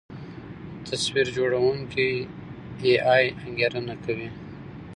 تصویر جوړوونکی اې ای انګېرنه کوي.